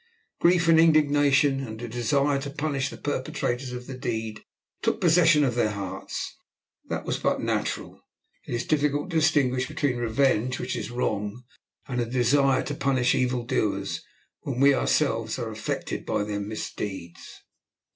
Grief and indignation, and a desire to punish the perpetrators of the deed, took possession of their hearts. That was but natural. It is difficult to distinguish between revenge, which is wrong, and a desire to punish evil doers, when we ourselves are affected by their misdeeds.